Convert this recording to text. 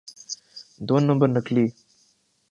دو number نکلی۔